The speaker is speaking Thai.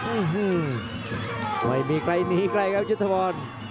อื้อหือมไม่มีใครที่หนีใกล้ครับยุทธภรรณ์